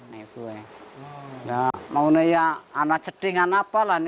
nah makanya ya ada ceding apa lah